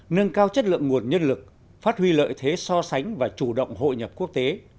nâng cao chất lượng nguồn nhân lực phát huy lợi thế so sánh và chủ động hội nhập quốc tế